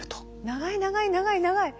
長い長い長い長い。